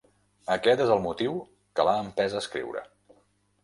Aquest és el motiu que l'ha empès a escriure.